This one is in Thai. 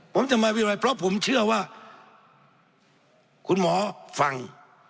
ผมจะมาวิรัยเพราะผมเชื่อว่าคุณหมอฟัง